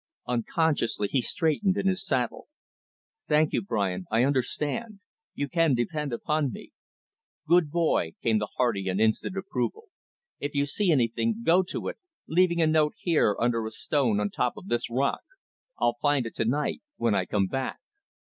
Unconsciously, he straightened in his saddle. "Thank you, Brian. I understand. You can depend upon me." "Good boy!" came the hearty and instant approval. "If you see anything, go to it; leaving a note here, under a stone on top of this rock; I'll find it to night, when I come back.